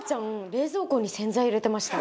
冷蔵庫に洗剤入れてました。